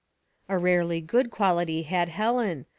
A rarely good quality had Helen.